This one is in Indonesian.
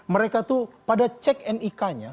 mereka tuh pada cek nik nya